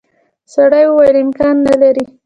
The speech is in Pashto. سړي وویل امکان نه لري.